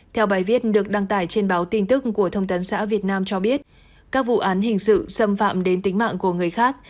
theo bài viết được đăng tải trên báo tin tức của thông tấn xã việt nam cho biết các vụ án hình sự xâm phạm đến tính mạng của người khác